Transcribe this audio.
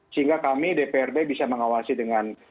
sehingga kami dprd bisa mengawasi dengan